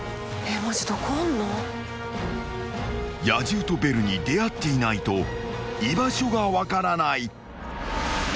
［野獣とベルに出会っていないと居場所が分からない］